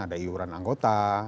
ada iuran anggota